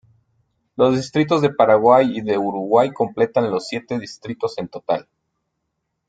Los distritos de Paraguay y de Uruguay completan los siete distritos en total.